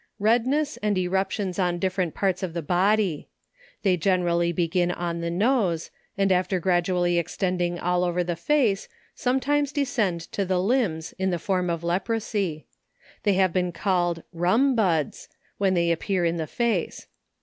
Redness and eruptions on different parts of the body. They generally begin on the nose, and after gradually ex tending all over the face, sometimes descend to the limbs in the form of leprosy. They have been called " Rum buds," when they appear in the face.